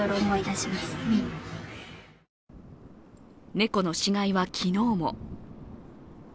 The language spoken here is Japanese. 猫の死骸は昨日も。